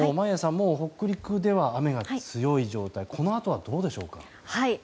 もう北陸では雨が強い状態でこのあとはどうでしょうか。